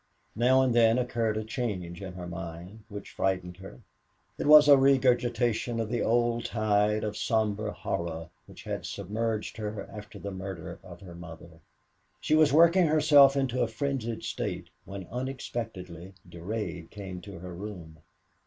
Now and then occurred a change in her mind which frightened her. It was a regurgitation of the old tide of somber horror which had submerged her after the murder of her mother. She was working herself into a frenzied state when unexpectedly Durade came to her room.